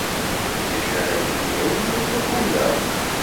D acu ara k-id-awin deg wakud-a?